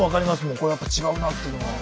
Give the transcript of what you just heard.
これはやっぱ違うなっていうのは。